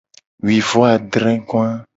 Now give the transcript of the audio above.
Wuivoadregoa.